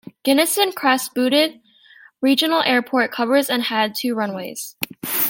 Gunnison-Crested Butte Regional Airport covers and had two runways.